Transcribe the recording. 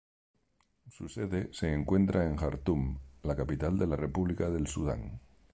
Su sede se encuentra en Jartum, la capital de la República del Sudán.